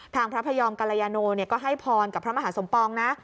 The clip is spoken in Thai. พระพยอมกรยาโนก็ให้พรกับพระมหาสมปองนะ